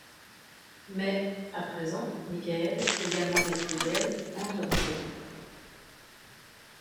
Mais, à présent, Mikaël, également épris d'elle, entre dans sa vie.